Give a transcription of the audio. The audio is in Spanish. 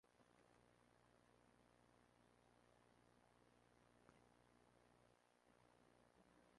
Fue el instructor del emperador romano Marco Aurelio.